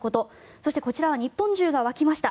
そしてこちらは日本中が沸きました